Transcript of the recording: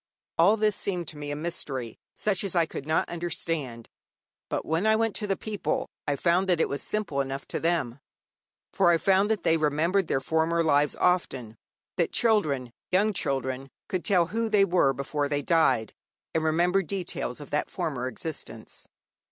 All this seemed to me a mystery such as I could not understand. But when I went to the people, I found that it was simple enough to them; for I found that they remembered their former lives often, that children, young children, could tell who they were before they died, and remember details of that former existence.